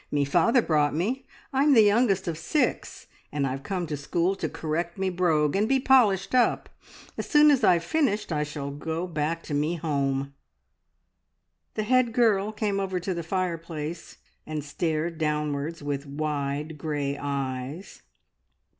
Me father brought me. I'm the youngest of six, and I've come to school to correct me brogue, and be polished up. As soon as I've finished I shall go back to me home!" The head girl came over to the fireplace, and stared downwards with wide grey eyes.